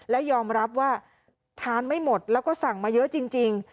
และยอมรับว่าทานไม่หมดแล้วก็สั่งมาเยอะจริง